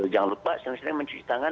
jangan lupa sering sering mencuci tangan